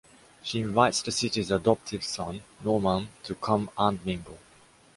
She invites the city’s adoptive son, Norman to come and mingle.